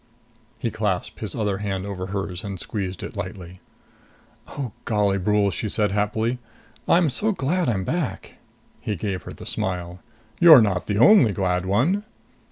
He clasped his other hand over hers and squeezed it lightly. "Oh, golly, Brule!" she said happily. "I'm so glad I'm back!" He gave her the smile. "You're not the only glad one!"